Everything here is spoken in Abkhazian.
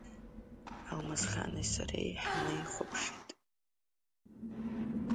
Алмасхани сареи ҳнеихәаԥшит.